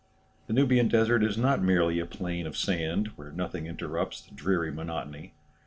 The Nubian desert is not merely a plain of sand, where nothing interrupts the dreary monotony.